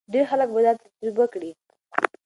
ډېر خلک به دا تجربه کړي.